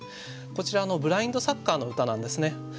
こちらあのブラインドサッカーの歌なんですね。